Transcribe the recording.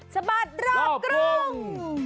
สะบัดรอบกรุง